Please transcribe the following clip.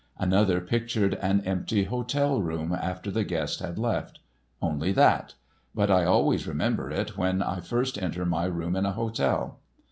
Another pictured an empty hotel room after the guest had left. Only that; but I always remember it when I first enter my room in a hotel.